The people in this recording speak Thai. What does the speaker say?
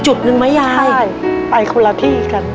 จุดหนึ่งไหมยายใช่ไปคนละที่กัน